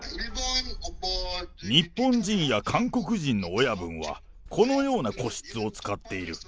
日本人や韓国人の親分は、このような個室を使っている。